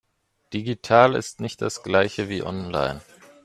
Digital ist nicht das Gleiche wie online.